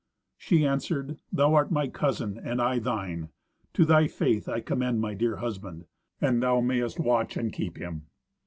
She answered, "Thou art my cousin, and I thine. To thy faith I commend my dear husband, and thou mayst watch and keep him."